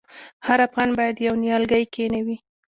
هر افغان باید یو نیالګی کینوي؟